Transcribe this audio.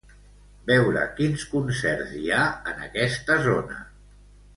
Veure quins concerts hi ha en aquesta zona.